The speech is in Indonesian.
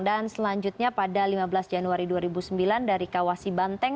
dan selanjutnya pada lima belas januari dua ribu sembilan dari kawah sibanteng